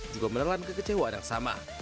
juga menelan kekecewaan yang sama